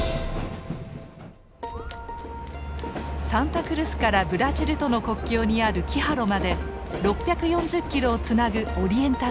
サンタクルスからブラジルとの国境にあるキハロまで６４０キロをつなぐオリエンタル鉄道。